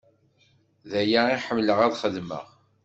D aya i ḥemmleɣ ad xedmeɣ.